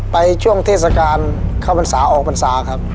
ช่วงเทศกาลเข้าพรรษาออกพรรษาครับ